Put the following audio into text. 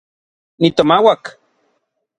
Nitomauak.